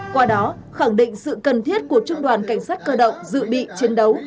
qua đó khẳng định sự cần thiết của trung đoàn cảnh sát cơ động dự bị chiến đấu